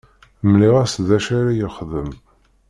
Mliɣ-as d acu ara yexdem.